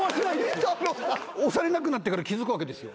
推されなくなってから気付くわけですよ。